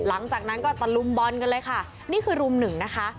หลังจากนั้นก็ตะลุมบอลกันเลยค่ะนี่คือรุมหนึ่งนะคะ